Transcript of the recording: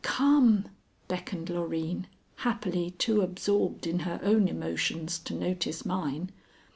"Come!" beckoned Loreen, happily too absorbed in her own emotions to notice mine.